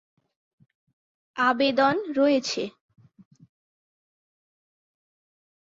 আবেদন রয়েছে।